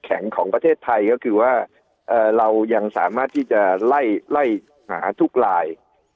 แข็งของประเทศไทยก็คือว่าเรายังสามารถที่จะไล่หาทุกลาย